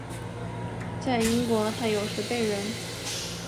在英国他有时被人。